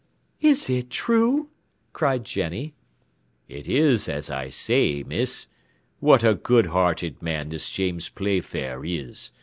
"Is it true?" cried Jenny. "It is as I say, miss. What a good hearted man this James Playfair is!